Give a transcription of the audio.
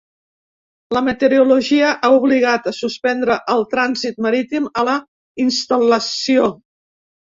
La meteorologia ha obligat a suspendre el trànsit marítim a la instal·lació.